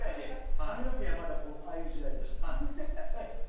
髪の毛がまだああいう時代でした。